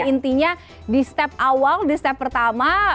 intinya di step awal di step pertama